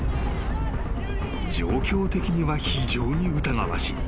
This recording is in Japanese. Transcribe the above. ［状況的には非常に疑わしい］